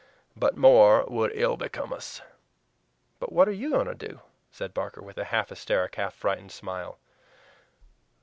But more would ill become us!" "But what are YOU going to do?" said Barker, with a half hysteric, half frightened smile.